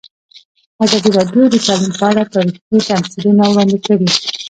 ازادي راډیو د تعلیم په اړه تاریخي تمثیلونه وړاندې کړي.